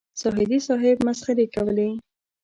زاهدي صاحب مسخرې کولې.